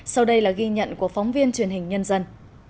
sau đây là ghi nhận của phóng viên truyền hình nhân dân